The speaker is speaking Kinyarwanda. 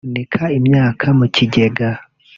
guhunika imyaka mu kigega